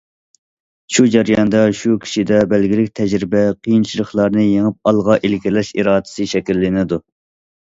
شۇ جەرياندا شۇ كىشىدە بەلگىلىك تەجرىبە، قىيىنچىلىقلارنى يېڭىپ ئالغا ئىلگىرىلەش ئىرادىسى شەكىللىنىدۇ.